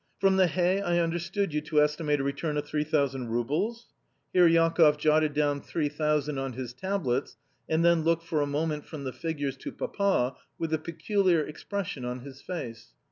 From the hay I understood you to estimate a return of 3000 roubles?" (Here Jakoff jotted down "3000" on his tablets, and then looked for a moment from the figures to Papa with a peculiar expression on his face.)